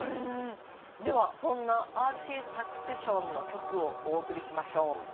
ではそんなＲＣサクセションの曲をお送りしましょう。